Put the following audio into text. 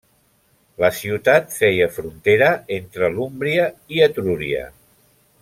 La ciutat feia frontera entre l'Úmbria i Etrúria.